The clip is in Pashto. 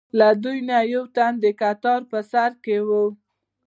له دوی نه یو تن د کتار په سر کې و.